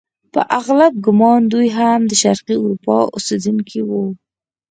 په اغلب ګومان دوی هم د شرقي اروپا اوسیدونکي وو.